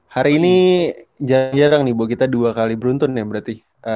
hari ini jarang nih bahwa kita dua kali beruntun ya berarti